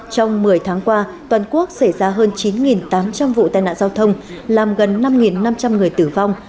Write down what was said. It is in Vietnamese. trong một mươi tháng qua toàn quốc xảy ra hơn chín tám trăm linh vụ tai nạn giao thông làm gần năm năm trăm linh người tử vong